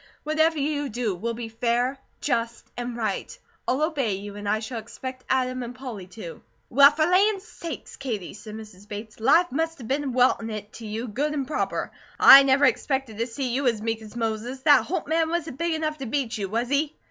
Whatever you do will be fair, just, and right. I'll obey you, as I shall expect Adam and Polly to." "Well, for lands sakes, Katie," said Mrs. Bates. "Life must a been weltin' it to you good and proper. I never expected to see you as meek as Moses. That Holt man wasn't big enough to beat you, was he?"